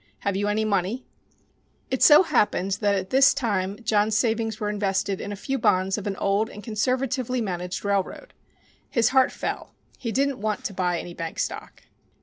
Have you any money?" It so happened that at this time John's savings were invested in a few bonds of an old and conservatively managed railroad. His heart fell. He didn't want to buy any bank stock.